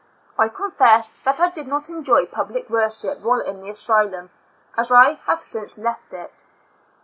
I confess that I did not enjoy public worship while in the asylum as I have since I left it.